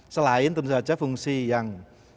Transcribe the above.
selain tentu saja fungsi yang